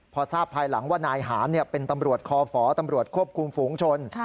พอทราบภายหลังว่านายหารเป็นตำรวจคอฝตำรวจควบคุมฝูงชน